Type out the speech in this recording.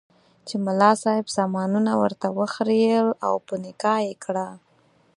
چې ملا صاحب سامانونه ورته وخریېل او په نکاح یې کړه.